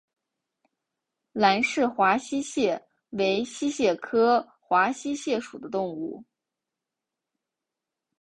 兰氏华溪蟹为溪蟹科华溪蟹属的动物。